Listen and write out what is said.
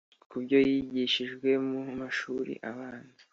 ku byo yigishijwe mu mashuri abanza,